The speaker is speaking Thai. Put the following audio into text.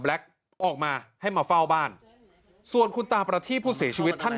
ออกมาให้มาเฝ้าบ้านส่วนคุณตาประทีบผู้เสียชีวิตท่าน